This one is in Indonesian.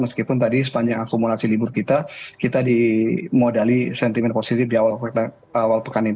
meskipun tadi sepanjang akumulasi libur kita kita dimodali sentimen positif di awal pekan ini